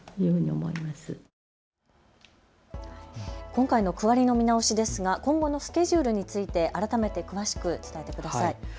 今回の区割りの見直しですが今後のスケジュールについて改めて詳しく伝えてください。